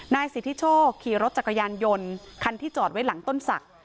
นายสิทธิโชคขี่รถจักรยานยนต์คันที่จอดไว้หลังต้นศักดิ